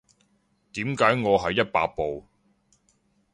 點解我係一百步